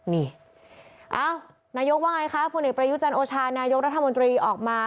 นี่เอ้านายกว่าไงคะพลเอกประยุจันทร์โอชานายกรัฐมนตรีออกมา